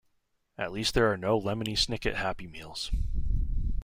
At least there are no Lemony Snicket Happy Meals.